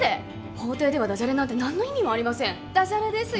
法廷ではダジャレなんて何の意味もありませんダジャレですよ？